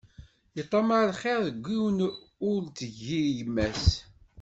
Iṭṭamaɛ lxiṛ deg win ur d-tgi yemma-s.